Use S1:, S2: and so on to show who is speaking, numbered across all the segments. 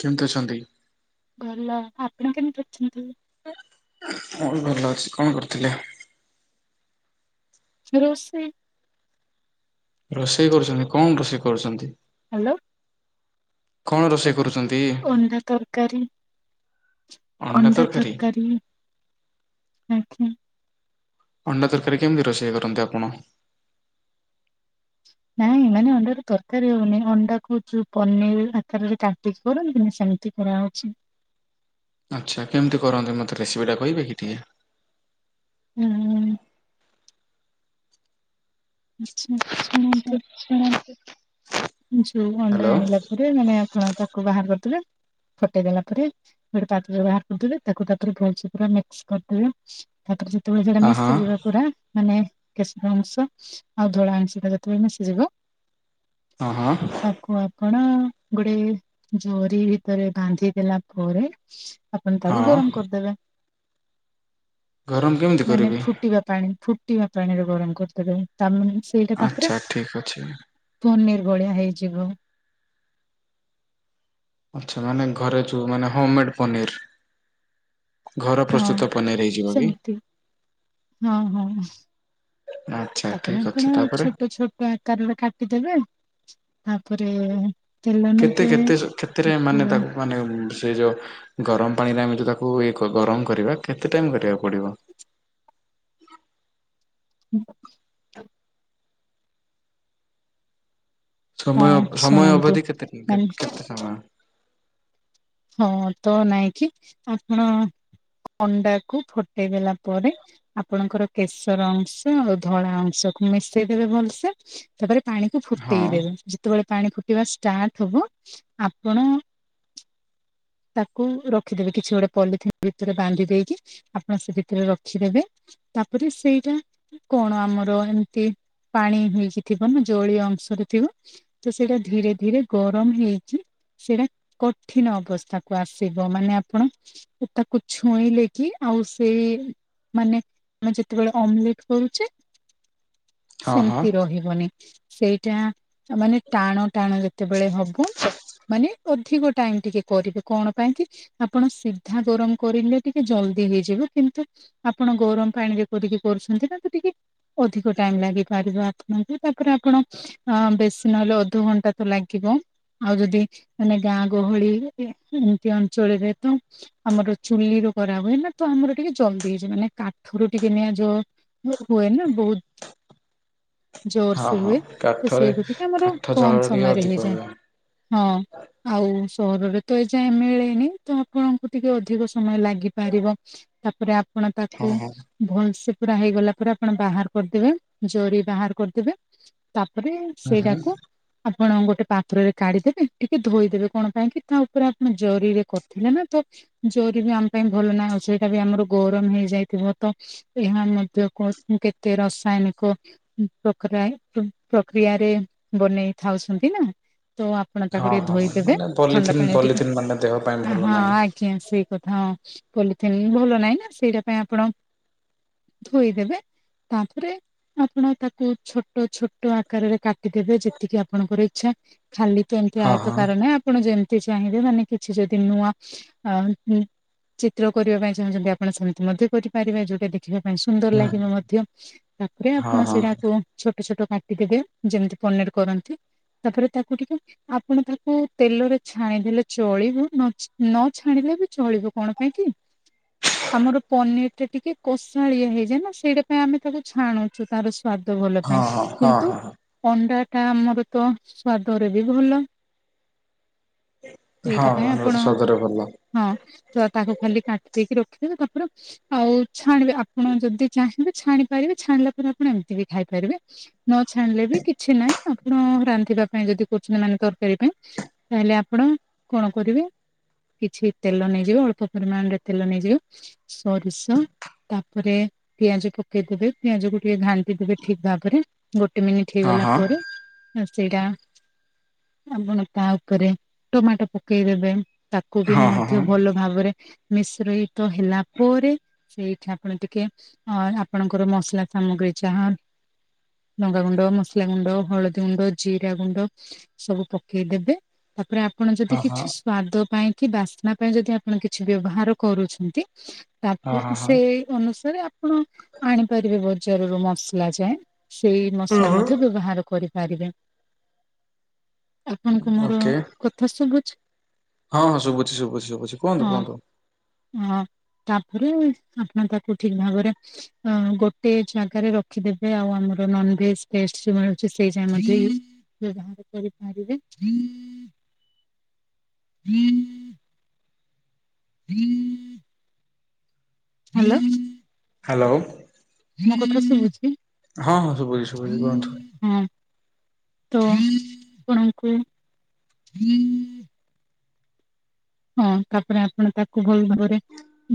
S1: କେମିତି ଅଛନ୍ତି?
S2: ଭଲ। ଆପଣ କେମିତି ଅଛନ୍ତି?
S1: ମୁଁ ବି ଭଲ ଅଛି। କଣ କରୁଥିଲେ?
S2: ରୋଷେଇ।
S1: ରୋଷେଇ କରୁଛନ୍ତି କଣ ରୋଷେଇ କରୁଛନ୍ତି?
S2: ହ୍ୟାଲୋ।
S1: କଣ ରୋଷେଇ କରୁଛନ୍ତି?
S2: ଅଣ୍ଡା ତରକାରୀ। ଅଣ୍ଡା ତରକାରୀ, ଆଜ୍ଞା।
S1: ଅଣ୍ଡା ତରକାରୀ କେମିତି ରୋଷେଇ କରନ୍ତି ଆପଣ?
S2: ନାଇଁ ମାନେ ଅଣ୍ଡାରୁ ତରକାରୀ ହଉନି ଅଣ୍ଡା କୋଉ ଯୋଉ ପନିର ଆକାରରେ କାଟି ପିସ୍ କର ନ ହେଲେ ସେମିତି କରାହେଉଛି।
S1: ଆଚ୍ଛା କେମିତି କରନ୍ତି ମୋତେ ରେସିପିଟା କହିବେ କି ଟିକେ?
S2: ହୁଁ। ଆଚ୍ଛା ଆଚ୍ଛା ରୁହନ୍ତୁ।
S1: ଶୁଣନ୍ତୁ।
S2: ଯଉ ଅଣ୍ଡା ଆଣିଲା ପରେ ମାନେ ଆପଣ ତାକୁ ବାହାର କରିଦେବେ ଫଟେଇ ଦେଲା ପରେ ଗୋଟେ ପାତ୍ରରେ ବାହାର କରିଦେବେ ତାକୁ ତାପରେ ଭଲସେ ପୁରା ମିକ୍ସ କରିଦେବେ। ତାପରେ ଯେତେବେଳେ ସେଟା
S1: ଅ ହଁ
S2: ମିଶିଯିବ ପୁରା ମାନେ କେଶର ଅଂଶ ଆଉ ଧଳା ଅଂଶ ଟା ଯେତେବେଳେ ମିଶିଯିବ
S1: ହଁ ହଁ।
S2: ତାକୁ ଆପଣ ଗୋଟେ ଜରି ଭିତରେ ବାନ୍ଧି ଦେଲା ପରେ ଆପଣ ତାକୁ
S1: ହଁ
S2: ଗରମ କରିଦେବେ।
S1: ଗରମ କେମିତି
S2: ମାନେ
S1: କରିବି?
S2: ଫୁଟିବା ପାଣି ଫୁ ଫୁଟିବା ପାଣରେ ଗରମ କରିଦେବେ। ତା ପରେ ସେଇଟା ତାପରେ
S1: ଆଚ୍ଛା ଠିକ ଅଛି।
S2: ପନିର ଭଳିଆ ହେଇଯିବ।
S1: ଆଚ୍ଛା ମାନେ ଘରେ ଯଉ ମାନେ ହୋମ ମେଡ ପନିର। ଘର
S2: ହଁ
S1: ପ୍ରସ୍ତୁତ ପନେରି ହେଇଯିବ କି?
S2: ସେମିତି ହଁ ହଁ
S1: ଆଚ୍ଛା
S2: ତା
S1: ଠିକ
S2: ପରେ
S1: ଅଛି
S2: ଆପଣ
S1: ତାପରେ
S2: ଛୋଟ ଛୋ ଟ ଆକାରରେ କାଟିଦେବେ ତାପରେ ତେଲ
S1: କେତେ
S2: ନଗେଇ
S1: କେତେ କେତେରେ
S2: ତାକୁ
S1: ମାନେ ମାନେ ସେ ଯୋ ଗରମ ପାଣିରେ ଆମେ ଯଉ ତାକୁ ଇଏ ଗରମ କରିବା କେତେ ଟାଇମ କରିବାକୁ ପଡିବ?
S2: [unintelligible] ହଁ
S1: ସମୟ ସମୟ
S2: ଶୁଣନ୍ତୁ
S1: ଅବଧି କେତେ
S2: ମାନେ
S1: କେତେ ସମୟ?
S2: ହଁ ତ ନାଇଁ କିି ଆପଣ ଅଣ୍ଡା କୁ ଫଟେଇ ଦେଲା ପରେ ଆପଣଙ୍କର କେଶର ଅଂଶ ଧଳା ଅଂଶକୁ ମିଶେଇଦବେ ଭଲସେ। ତାପରେ ପାଣିକୁ
S1: ହଁ
S2: ଫୁଟେଇ ଦେବେ। ଯେତେବେଳେ ପାଣି ଫୁଟିବା ଷ୍ଟାର୍ଟ ହବ ଆପଣ ତାକୁ ରଖିଦେବେ କିଛି ଗୋଟେ ପଲିଥିନ୍ ଭିତରେ ବାନ୍ଧି ଦେଇକି ଆପଣ ସେ ଭିତରେ ରଖିଦେବେ। ତାପରେ ସେଇଟା କି କଣ ଆମର ଏମିତି ପାଣି ହେଇକି ଥିବ ନା ଜଳୀୟ ଅଂଶରେ ଥିବ। ତ ସେଇଟା ଧୀରେ ଧୀରେ ଗରମ ହେଇକି ସେଇଟା ଠିନ ଅବସ୍ଥାକୁ ଆସିବ ମାନେ ଆପଣ ଓ ତାକୁ ଛୁଇଁଲେ କି ଆଉ ସେ ମାନେ ଆମେ ଯେତେବେଳେ ଅମଲେଟ୍ କରୁଛେ
S1: ହଁ ହଁ
S2: ସେମିତି ରହିବନି, ସେଇଟା ଆ, ମାନେ ଟାଣ ଟାଣ ଯେତେବେଳେ ହବ ମାନେ ଅଧିକ ଟାଇମ୍ ଟିକେ କରିବେ କଣ ପାଇଁ କି? ଆପଣ ସିଧା ଗରମ କରିଲେ ଟିକେ ଜଲଦି ହେଇଯିବ, କିନ୍ତୁ ଆପଣ ଗରମ ପାଣିରେ କରିକି କରୁଛନ୍ତି ନା ତ ଟିକେ ଅଧିକ ଟାଇମ୍ ଲାଗିପାରିବ ଆପଣଙ୍କୁ। ତାପରେ ଆପଣ ଅ, ବେଶୀ ନହେଲେ ଅଧଘଣ୍ଟା ତ ଲାଗିବ। ଆଉ ଯଦି ମାନେ ଗାଁ ଗହଳି ଏ ଏମିତି ଆଞ୍ଚଳରେ ତ ଆମର ଚୁଲିରେ କରା ହୁଏ ନା ତ ଆମର ଟିକେ ଜଲଦି ହେଇଯିବ। ମାନେ କାଠରୁ ଟିକେ ନିଆଁ ଜୋ ମୋ ହୁଏ ନା ବହୁତ
S1: [inaudible]
S2: ଜୋର
S1: ହଁ
S2: ସେ
S1: ହଁ
S2: ହୁଏ ତ
S1: କାଠରେ
S2: ସେଇଠୁ ଟିକେ ଆମର
S1: କାଠ
S2: କମ
S1: ଜାଳରେ ଟିକେ
S2: ସମୟରେ
S1: ଅଧିକ ହୁଏ।
S2: ହେଇଯାଏ। ହଁ ଆଉ ସହରରେ ତ ଏ ଯାଏଁ ମିଳିନି ତ ଆପଣଙ୍କୁ ଟିକେ ଅଧିକ ସମୟ ଲାଗିପାରିବ। ତାପରେ ଆପଣ
S1: ହଁ
S2: ତାକୁ
S1: ହଁ
S2: ଭଲସେ ପୁରା ହେଇଗଲା ପରେ ଆପଣ ବାହାର କରିଦେବେ। ଜରି ବାହାର କରିଦେବେ। ତାପରେ
S1: ହୁଁ ହୁଁ
S2: ସେଇଟାକୁ ଆପଣ ଗୋଟେ ପାତ୍ରରେ କାଢିଦେବେ ଟିକେ ଧୋଇଦେବେ। କଣ ପାଇଁ କିି ତା ଉପରେ ଆପଣ ଜରିରେ କରିଥିଲେ ନା ତ ଜରି ବି ଆମ ପାଇଁ ଭଲ ନା ଆଉ ସେଇଟା ବି ଆମର ଗରମ ହେଇଯାଇଥିବ ତ ଏହା ମଧ୍ୟ କୋ-ଉଁ, କେତ ରସାୟନିକ ଉଁ, ପ୍ରକରାଏ [unintelligible] ପ୍ରକ୍ରିୟାରେ ବନେଇ ଥାଉସନ୍ତି ନା ତ ଆ ଆପଣ ତାକୁ
S1: ହଁ
S2: ଟିକେ
S1: ହଁ
S2: ଧୋଇଦେବେ
S1: ମାନେ
S2: ଥଣ୍ଡା
S1: ପଲିଥିନ୍
S2: ପାଣିରେ ଟିକେ
S1: ପଲିଥିନ୍ ମାନେ ଦେହ ପାଇଁ
S2: ଆ,
S1: ଭଲ
S2: ହଁ
S1: ନାହିଁ।
S2: ଆଜ୍ଞା ସେଇ କଥା ପଲିଥିିନ ଭଲ ନାହିଁ ନା ସେଇଟା ପାଇଁ ଆପଣ ଧୋଇଦେବେ। ତାପରେ ଆପଣ ତାକୁ ଛୋଟ ଛୋଟ ଆକାରରେ କାଟିଦେବେ ଯେତିକି ଆପଣଙ୍କର ଇଚ୍ଛା। ଖାଲି ତ ଏମିତି
S1: ହଁ ହଁ
S2: ଆୟତକାର ନା। ଆପଣ ଯେମିତି ଚାହିଁବେ ମାନେ କିଛି ଯଦି ନୂଆ ଆ, ଉଁ, ଚିତ୍ର କରିବା ପାଇଁ ଚାହୁଁଛନ୍ତି ଆପଣ ସେମିତି ମଧ୍ୟ କରିପାରିବେ। ଯୋଉଟା ଦେ ଖିବା ପାଇଁ ସୁନ୍ଦର
S1: ହୁଁ
S2: ଲାଗିବ ମଧ୍ୟ। ତାପରେ
S1: ହଁ
S2: ଆପଣ
S1: ହଁ
S2: ସେଟାକୁ ଛୋଟ ଛୋଟ କାଟିଦେବେ ଯେମିତି ପନିର୍ କରନ୍ତି, ତାପରେ ତାକୁ ଟିକେ ଆପଣ ତାକୁ ତେଲରେ ଛାଣିଦେଲେ ଚଳିବ ନ ଛ-ନ ଛାଣିଲେ ବି ଚଳିବ କଣ ପାଇଁ କି? ଆମର ପନିର୍ ଟା ଟିକେ କଷାଳିଆ ହେଇଯାଏ ନା ସେଇଟା ପାଇଁ ଆମେ ତାକୁ ଛାଣୁଛୁ। ତାର ସ୍ଵାଦ ଭଲ
S1: ହଁ
S2: ଥାଏ।
S1: ହଁ ହଁ
S2: କିନ୍ତୁ
S1: ହଁ।
S2: ଅଣ୍ଡା ଟା ଆମର ତ ସ୍ଵାଦରେ ବି ଭଲ। ସେଇଟା
S1: ହଁ
S2: ପାଇଁ
S1: ଅନୁରୋଧ
S2: ଆପଣ
S1: ସଦରେ ଭଲ
S2: ହଁ ତ ତାକୁ ଖାଲି କାଟି ଦେଇକି ରଖିଦେବେ। ତାପରେ ଆଉ ଛାଣିବେ ଆପଣ ଯଦି ଚାହିଁବେ ଛାଣି ପାରିବେ। ଛାଣିଲା ପରେ ଆପଣ ଏମିତି ବି ଖାଇପାରିବେ। ନ ଛାଣିଲେ ବି କିଛି ନାହିଁ ଆପଣ ରାନ୍ଧିବା ପାଇଁ ଯଦି କରୁଛନ୍ତି ମାନେ ତରକାରୀ ପାଇଁ ତାହେଲେ ଆପଣ କଣ କରିବେ? କିଛି ତେଲ ନେଇଯିବେ ଅଳ୍ପ ପରିମାଣରେ ତେଲ ନେଇଯିବେ ସୋରିଷ ତାପରେ ପିଆଜ ପକେଇ ଦେବେ ପିଆଜକୁ ଟିକେ ଘାଣ୍ଟି ଦେବେ ଠିକ୍ ଭାବରେ। ଗୋଟେ ମିନିଟ
S1: ହଁ
S2: ହେଇଗଲା
S1: ହଁ
S2: ପରେ ଅ ସେଇଟା ଆପଣ ତା ଉପରେ ଟମାଟୋ ପକେଇ ଦେବେ ତାକୁ ବି
S1: ହଁ ହଁ
S2: ମଧ୍ୟ
S1: ହଁ।
S2: ଭଲ ଭାବରେ ମିଶ୍ରିତ ହେଲା ପରେ ସେଇଠି ଆପଣ ଟିକେ ଅ ଆପଣଙ୍କର ମସଲା ସାମଗ୍ରୀ ଯାହା ଲଙ୍ଗାଗୁଣ୍ଡ, ମସଲାଗୁଣ୍ଡ, ହଳଦୀଗୁଣ୍ଡ, ଜିରାଗୁଣ୍ଡ ସବୁ ପ କେଇଦେବେ ତାପରେ ଆପଣ ଯଦି
S1: ହଁ ହଁ
S2: କିଛିସ୍ ସ୍ଵାଦ ପାଇଁ କି ବାସ୍ନା ପାଇଁ ଯଦି ଆପଣ କିଛି ବ୍ୟବହାର କରୁଛନ୍ତି
S1: ହଁ
S2: ତାପ
S1: ହଁ ହଁ
S2: ସେ ଅନୁସାରେ ଆପଣ ଆଣି ପାରିବେ ବଜାରରୁୁ ମସଲା ଯାଏଁ। ସେଇ ମସଲା ମଧ୍ୟ ବ୍ୟବହାର କରିପାରିବେ। ଆପଣଙ୍କୁ ମୋର
S1: ଓକେ।
S2: କଥା ଶଭୁଛି?
S1: ହଁ ହଁ ଶବୁଚି ଶୁବୁଚି ଶୁବୁଚି କୁହନ୍ତୁ କୁହନ୍ତୁ।
S2: ହଁ ତାପରେ ଆପଣ ତାକୁ ଠିକ୍ ଭାବରେ ଅଁ ଗୋଟେ ଜାଗାରେ ରଖିଦେବେ ଆଉ ଆମର ନନଭେଜ ପେଷ୍ଟ ଯୋଉ ମିଳୁଚି ସେଇ ଯେମିତି ବ୍ୟବହାର କରି ପାରିବେ। ହାଲୋ।
S1: ହାଲୋ।
S2: ମୋ କଥା ଶୁଭୁଛି?
S1: ହଁ ହଁ ଶୁବୁଚି ଶୁବୁଚି କୁହନ୍ତୁ।
S2: ହଁ ତ ଆପଣଙ୍କୁ ହଁ ତାପରେ ଆପଣ ତାକୁ ଭଲ ଭାବରେ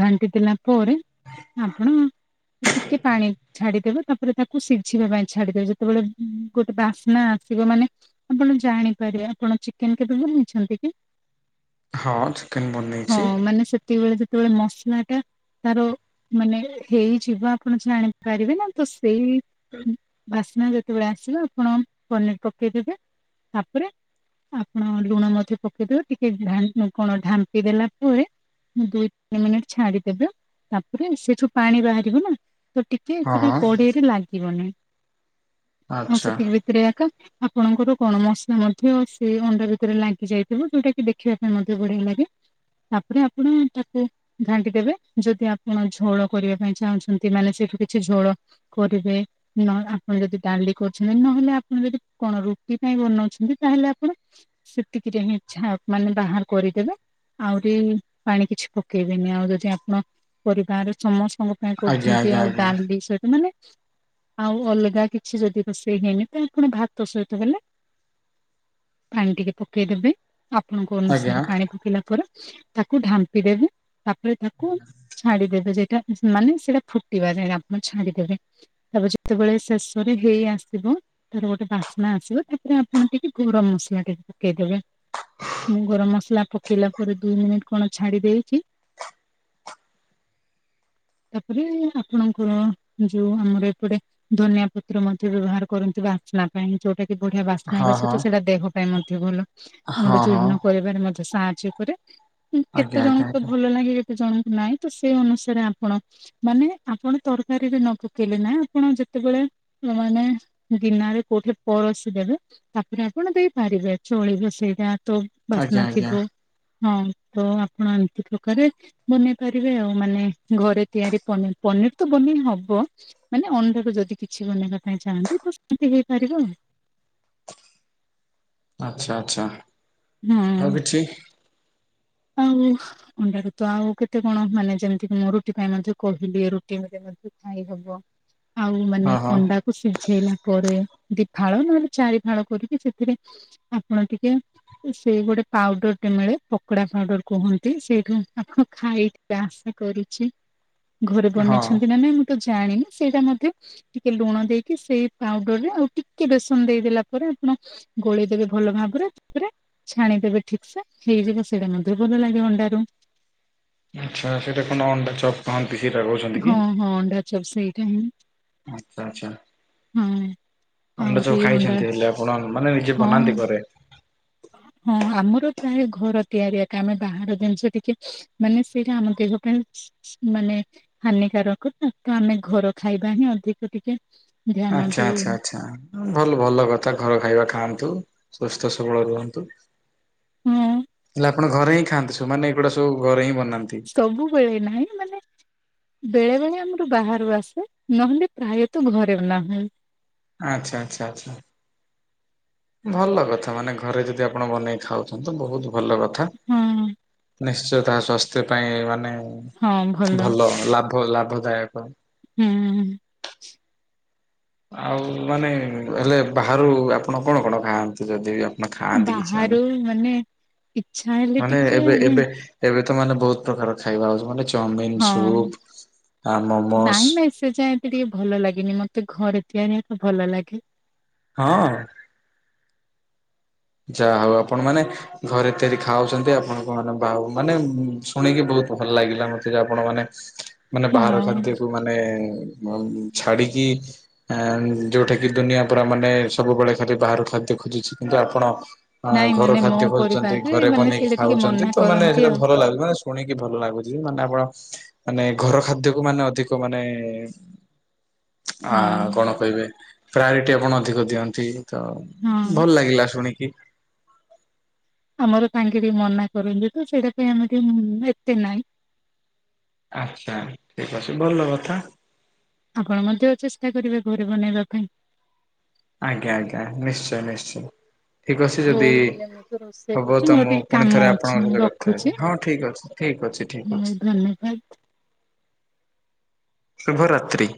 S2: ଘାଣ୍ଟି ଦେଲା ପରେ ଆପଣ ଉ ଟିକେ ପାଣି ଛାଡ଼ିଦେବେ ତାପରେ ତାକୁ ସିଝିବା ପାଇଁ ଛାଡ଼ିଦେବେ ଯେତୋବେଳେ ଗୋଟେ ବାସ୍ନା ଆସିବ ମାନେ ଆପଣ ଜାଣିପାରିବେ। ଆପଣ ଚିକେନ କେବେ ବନେଇଛନ୍ତି କି?
S1: ହଁ ଥୁ
S2: ହଁ ମାନେ ସେତିବେଳେ ଯେତବେଳେ ମସଲାଟା ତାର ମାନେ ହେଇଯିବ ଆପଣ ଜାଣିପାରିବେ ନାଁ ତ ସେଇ
S1: ଅଁ
S2: ବାସ୍ନା ଯେତୋବେଳେ ଆସିବ ଆପଣ ପନିର ପକେଇ ଦେବେ ତାପରେ ଆପଣ ଲୁଣ ମଧ୍ୟ ପକେଇ ଦେବେ ଟିକେ ଢ଼ା କଣ ଢାମ୍ପି ଦେଲା ପରେ ମୁଁ ଦୁଇ ତିନି ମିନିଟ ଛାଡ଼ିଦେବେ ତାପରେ ସେଠୁ ପାଣି ବାହାରିବ ନା। ତ ଟିକେ
S1: ହଁ
S2: ସେଟା
S1: ହଁ
S2: କୋଡେଇରେ ଲାଗିବନି ଆଉ
S1: ଆଚ୍ଛା
S2: ସେତିକି ଭିତରେ ଆକା ଆପଣଙ୍କର କଣ ମସଲା ମଧ୍ୟ ସେ ଅଣ୍ଡା ଭିତରେ ଲାଗି ଯାଇଥିବ ଯୋଉଟା କି ଦେଖିବା ପାଇଁ ମ ତ ବଢ଼ିଆ ଲାଗେ ତାପରେ ଆପଣ ତାକୁ ଘାଣ୍ଟି ଦେବେ ଯଦି ଆପଣ ଝୋଳ କରିବା ପାଇଁ ଚାହୁଁଛନ୍ତି ମାନେ ସେଇଠୁ କିଛି ଝୋଳ କରିବେ। ନହ ଆପଣ ଯଦି ଡାଲି କରୁଛନ୍ତି ନହେଲେ ଆପଣ ଯଦି କଣ ରୁଟି ପାଇଁ ବନଉଛନ୍ତି ତାହେଲେ ଆପଣ ସେତିକିରେ ହିଁ ଛା ମାନେ ବାହାର କରିଦେବେ। ଆଉ ଟିଏ ପାଣି କିଛି ପକେଇବେନି ଆଉ ଯଦି ଆପଣ ପରିବାର ସମସ୍ତଙ୍କ ଆଁ
S1: ଆଜ୍ଞା
S2: କରୁଛନ୍ତି
S1: ଆଜ୍ଞା
S2: ଆଉ
S1: ଆଜ୍ଞା
S2: ଡାଲ ସଇତ ମାନେ ଆଉ ଅଲଗା କିଛି ଯଦି ରୋଷେଇ ହେଇନି ତ ଫୁଣି ଭାତ ସହିତ ହେଲା। ପାଣି ଟିକେ ପକେଇଦେବେ ଆପଣଙ୍କ
S1: ଆଜ୍ଞା।
S2: ଅନୁସାରେ ପାଣି ପକେଇଲା ପରେ ତାକୁ ଢାମ୍ପି ଦେବେ। ତାପରେ ତାକୁ ଛାଡିଦେବେ ଯେଟା ମାନେ ସେଇଟା ଫୁଟିବା ଯ ଆପଣ ଛାଡିଦେବେ। ତାପରେ ଯେତେବେଳେ ଶେଷରେ ହେଇ ଆସିଥିବ। ତର ଗୋଟେ ବାସ୍ନା ଆସିବ ତାପରେ ଆପଣ ଟିକେ ଗରମ ମସଲା ଟିକେ ପକେଇଦେବେ। ମୁଁ ଗରମ ମସଲା ପକେଇଲା ପରେ ଦୁଇ ମିନିଟ୍ କଣ ଛାଡି ଦେଇଚି। ତାପରେ ଆପଣଙ୍କର ଯୋଉ ଆମର ଏପଟେ ଧନିଆ ପତ୍ର ମଧ୍ୟ ବ୍ୟବହାର କରନ୍ତି ବାସ୍ନା ପାଇଁ ଯୋଉଟା ବଢିଆ ବାସ୍ନା
S1: ହଁ
S2: ହେବା
S1: ହଁ
S2: ସହିତ ସେଇଟା ଦେହ ପାଇଁ ମଧ୍ୟ ଭଲ ଆମ
S1: ହଁ
S2: ଗର
S1: ହଁ
S2: ଜୀର୍ଣ କରିବାରେ ମଧ୍ୟ ସାହାଯ୍ୟ ଉପରେ କେତେ
S1: ଆଜ୍ଞା ଆଜ୍ଞା
S2: ଜଣଙ୍କ
S1: ଆଜ୍ଞା
S2: ଭଲ ଲାଗେ। ଜଣଙ୍କୁ ନାହିଁ ତ ସେଇ ଅନୁସାରେ ଆପଣ ମାନେ ଆପଣ ତରକାରୀରେ ନ ପକେଇଲେ ନାଇଁ ଆପଣ ଯେତେବେଳେ ମାନେ ଗିନା ରେ କୋଉଠି ପରସି ଦେବେ। ତାପରେ ଆପଣ ଦେଇପାରିବେ ଚଳି ବସେଇଟା ତ ବାସ୍ନା
S1: ଆଜ୍ଞା
S2: ଥିବ
S1: ଆଜ୍ଞା।
S2: ହଁ ତ ଆପଣ ମାନଙ୍କୁ ଠକାଯାଏ। ବନେଇ ପାରିବେ ଆଉ ମାନେ ଘରେ ତିଆରି ପନିର ପନିର୍ ତ ବନେଇ ହବ। ମାନେ ଅଧକୁ ଯଦି କିଛି ବନେଇବା ପାଇଁ ଚାହାଁନ୍ତି ତ ସେମିତି ହେଇପାରିବ ଆଉ।
S1: ଆଚ୍ଛା ଆଚ୍ଛା
S2: ହଁ
S1: ଆଉ କିଛି?
S2: ଆଉ ଅଣ୍ଡା ରୁତ ଆଉ କେତେ କଣ ମାନେ ଯେମିତି କି ମୁଁ ରୁଟି ପାଇଁ ମଧ୍ୟ କହିଲି ରୁଟି ମ ଖାଇ ହବ ଆଉ ମାନେ
S1: ହଁ ହଁ।
S2: ଅଣ୍ଡା ତାକୁ ସିଝେଇଲା ପରେ ଦିଫାଳ ନହେଲେ ଚାରିଫାଳ କରିକି ସେଥିରେ ଆପଣ ଟିକେ ସେଇ ଗୋଟେ ପାଉଡର ଟେ ମିଳେ ପ କୁକୁଡା ପାଉଡର କୁହନ୍ତି ସେଇଠୁ ପାଖ ଖାଇ ଟିକେ ଆଶା କରୁଚି। ଘରେ
S1: ହଁ
S2: ବନେଇଛନ୍ତି ନାଁ ନାଇଁ ମୁଁ ତ ଜାଣିନି ସେଇଟା ମଧ୍ୟ ଟିକେ ଲୁଣ ଦେଇକି ସେଇ ପାଉଡରରେ ଆଉ ଟିକେ ବେସନ ଦେଇଦେଲା ପରେ ଆପଣ ଗୋଳେଇଦେବେ ଭଲ ଭାବରେ ତାପରେ ଛାଣିଦେବେ ଠିକ୍ ସେ ହେଇଯିବ। ସେଇଟା ମ ଭଲ ଲାଗେ ଅଣ୍ଡାରୁ।
S1: ଆଚ୍ଛା ସେଟା କନ୍ ଅଣ୍ଡା ଚପ୍। କହନ୍ତି ସେଇଟା କହୁଚ।
S2: ହଁ ହଁ ଅଣ୍ଡାଚପ୍ ସେଇଟାହିଁ।
S1: ଆଚ୍ଛା।
S2: ହୁଁ।
S1: ଅଣ୍ଡ ସବୁ ଖାଇଛନ୍ତି ହେଲେ ଆପଣ ମାନେ ନିଜେ
S2: ହଁ
S1: ବନାନ୍ତି ଘରେ?
S2: ହଁ ଆମର ପ୍ରାୟ ଘର ତିଆରିଆ ଆମେ ବାହାର ଜିନିଷ କିଛି ମାନେ ସେଇଟା ଆମ ଦେହ ପାଇଁ ମାନେ ହାନିକାରକ ତାକୁ ଆମେ ଘର ଖାଇବା ହିଁ ଅଧିକ ଟିକେ ଧ୍ୟାନ
S1: ଆଚ୍ଛା
S2: ଦଉ
S1: ଆଚ୍ଛା ଆଚ୍ଛା ଭଲ ଭଲ କଥା ଘର ଖାଇବା ଖାଆନ୍ତୁ ସୁସ୍ଥ ସବଳ ରୁହନ୍ତୁ।
S2: ହଁ
S1: ହେଲେ ଆପଣ ଘରେ ହିଁ ଖାଆନ୍ତି ସବୁମାନେ ଏଗୁଡା ସବୁ ଘରେ ହିଁ ବନାନ୍ତି।
S2: ସବୁବେଳେ ନାହିଁ ମାନେ ବେଳେ ବେଳେ ଆମର ବାହାରୁ ଆସେ ନହେଲେ ପ୍ରାୟତ ଘରେ ବନା ହୁଏ।
S1: ଆଚ୍ଛା ଆଚ୍ଛା ଆଚ୍ଛା। ଭଲ କଥା ମାନେ ଘରେ ଯଦି ଆପଣ ବନେଇ ଖାଉଚନ୍ତି ତ ବହୁତ୍ ଭଲ। ଥା
S2: ହଁ।
S1: ନିଶ୍ଚୟ ତାହା ସ୍ୱାସ୍ଥ୍ୟ ପାଇଁ ମାନେ ଭଲ ଲା ପ ଲାଭଦାୟକ।
S2: ହୁଁ ହୁଁ
S1: ଆଉ ମାନେ ହେଲେ ବାହାରୁ ଆପଣ କଣ କଣ ଖାଆନ୍ତି ଯଦି ଅ ମେ ଖାଆନ୍ତି କିଛି ମାନ
S2: ବାହାରୁ ମାନେ ଇଚ୍ଛା ହେଲେ
S1: ମାନେ
S2: ଟିକେ
S1: ଏବେ
S2: ଆମେ
S1: ଏବେ ଏବେ ତ ମାନେ ବହୁତ ପ୍ରକାର ଖାଇବା ହଉଛି ମାନେ ଚାଉମିିନ
S2: ହଁ
S1: ସୁପ୍ ଆ ମୋମୋସ୍
S2: ନାଇଁ ନାଇଁ ସେ ଯାଏ ଏତେ ଟିକେ ଭଲ ଲାଗେନି ମତେ ଘରେ ତିଆରିିବାକୁ ଭଲ ଲାଗେ।
S1: ହଁ। ଯାହା ଆଉ ଆପଣ ମାନେ ଘରେ ତିଆରି ଖାଉଛନ୍ତି ଆପଣଙ୍କ ମାନେ ବାଉ ମାନେ ଶୁଣିକି ବହୁତ ଭଲ ଲାଗିଲା ମତେ ଯେ ଆପଣ ମାନେ ମାନେ
S2: ହଁ
S1: ବାହାର ଖାଦ୍ୟକୁ ମାନେ ଅ ଛାଡିକି ଆ ଯୋଉଟା କିି ଦୁନିଆ ପୁରା ମାନେ ସବୁବେଳେ ଖାଲି ବାହାରୁ ଖାଦ୍ୟ ଖୋଜୁଛି କିନ୍ତୁ ଆପଣ ଆ
S2: ନାଇଁ
S1: ଘର
S2: ମାନେ ମୋ
S1: ଖାଦ୍ୟ ଖୋଜୁଛନ୍ତି
S2: ପରିବାରରେ
S1: ଘରେ
S2: ମାନେ
S1: ବନେଇକି
S2: ସେଇଟା ଟିକେ
S1: ଖାଉଛନ୍ତି
S2: ମନା
S1: ତ ମାନେ
S2: କରନ୍ତି
S1: ସେଇଟା
S2: ଆଉ।
S1: ଭଲ ଲାଗୁଛି ମାନେ ଶୁଣିକି ଭଲ ଲାଗୁଛି ମାନେ ଆପଣ ମାନେ ଘର ଖାଦ୍ୟକୁ ମାନେ ଅଧିକ ମାନେ ଆ
S2: ହଁ
S1: କଣ କହିବେ ପ୍ରାୟୋରିଟି ଆପଣ ଅଧିକ ଦିଅନ୍ତି। ତ
S2: ହଁ
S1: ଭଲ ଲାଗିଲା ଶୁଣିକି।
S2: ଆମର ତାଙ୍କେ ଟିକେ ମନା କରନ୍ତି ତ ସେଇଟା ପାଇଁ ଆମେ ଟିକେ ଏତେ ନାହିଁ।
S1: ଆଚ୍ଛା ଠିକ ଅଛି ଭଲ କଥା।
S2: ଆପଣ ମଧ୍ୟ ଚେଷ୍ଟା କରିବେ ଘରେ ବନେଇବା ପାଇଁ।
S1: ଆଜ୍ଞା ଆଜ୍ଞା ନିଶ୍ଚୟ ନିଶ୍ଚୟ। ଠିକ ଅଛି
S2: ହଉ
S1: ଯଦି
S2: ହେଲେ ମୁଁ ତ ରୋଷେଇ
S1: ହବ
S2: କରୁଛି
S1: ତ
S2: ମୋର
S1: ମୁଁ
S2: ଟିକେ
S1: ପୁଣି
S2: କାମ
S1: ଥରେ
S2: ଅଛି
S1: ଆପଣଙ୍କ
S2: ମୁଁ
S1: ସହିତ କଥା
S2: ରଖୁଛି
S1: ହେବି ହଁ ଠିକ ଅଛି। ଠିକ ଅଛି ଠିକ ଅଛି
S2: ଧନ୍ୟବାଦ।
S1: ଶୁଭରାତ୍ରି।